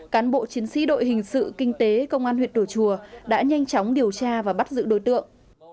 cán bộ chiến sĩ đội hình sự kinh tế công an huyện đồ chùa đã nhanh chóng điều tra và bắt giữ đối tượng